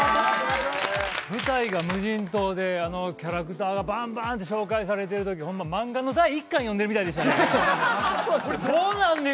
舞台が無人島で、あのキャラクターがばんばんって紹介されてるとき、ほんま、漫画の第１巻読んでるみたいでしたね。